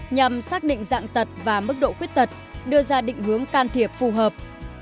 nhằm xác định dạng tật và mức độ khuyết tật đưa ra định hướng can thiệp phù hợp